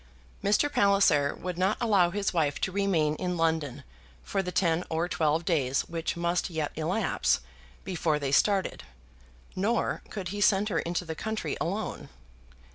Mr. Palliser would not allow his wife to remain in London for the ten or twelve days which must yet elapse before they started, nor could he send her into the country alone.